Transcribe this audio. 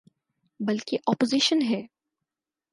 بلکہ اپوزیشن ہے۔